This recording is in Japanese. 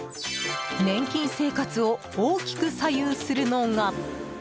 年金生活を大きく左右するのが。